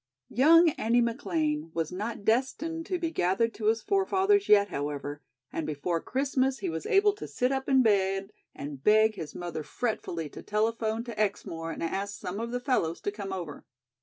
Young Andy McLean was not destined to be gathered to his forefathers yet, however, and before Christmas he was able to sit up in bed and beg his mother fretfully to telephone to Exmoor and ask some of the fellows to come over.